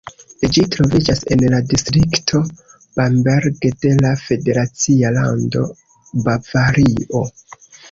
Ĝi troviĝas en la distrikto Bamberg de la federacia lando Bavario.